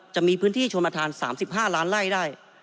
จะมีพื้นที่ชมภาษา๓๕ล้านไล่ได้